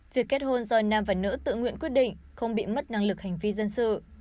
việc kết hôn do nam và nữ tự nguyện quyết định không bị mất năng lực hành vi dân sự